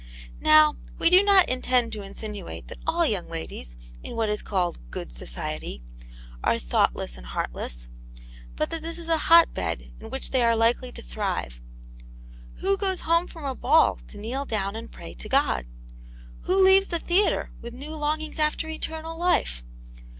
Now,, we do not intend to insinuate that all young ladies, in what is called "good society," are thoughtless and heartless : but that this is a hot bed in which they are likely to thrive. Who goes home from a ball, to kneel down and pray to God? Who leaves the theatre with new longings after eternal life